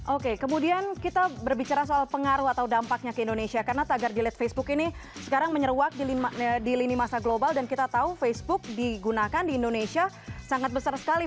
oke kemudian kita berbicara soal pengaruh atau dampaknya ke indonesia karena tagar jilid facebook ini sekarang menyeruak di lini masa global dan kita tahu facebook digunakan di indonesia sangat besar sekali